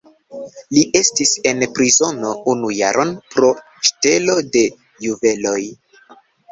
Li estis en prizono unu jaron pro ŝtelo de juveloj.